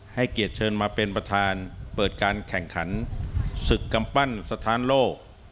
ให้เกียรติเชิญมาเป็นประธานเปิดการแข่งขันศึกกำปั้นสถานโลก